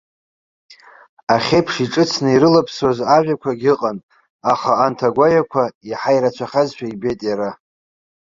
Ахьеиԥш иҿыцны ирылаԥсоз ажәақәагьы ыҟан, аха анҭ агәаҩақәа иаҳа ирацәахазшәа ибеит иара.